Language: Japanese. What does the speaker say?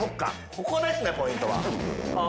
ここですねポイントは。